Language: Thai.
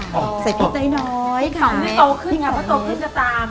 อ๋อใส่พริกได้น้อยค่ะสองนี้โตขึ้นสองนี้แล้วก็โตขึ้นจะตาม